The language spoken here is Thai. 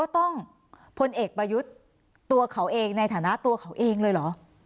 ต้องพลเอกประยุทธ์ตัวเขาเองในฐานะตัวเขาเองเลยเหรอ